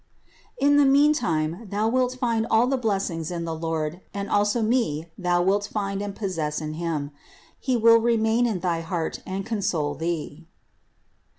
In the meanwhile thou wilt find all blessings in the Lord and also me thou wilt find and possess in Him. He will remain in thy heart and con sole thee."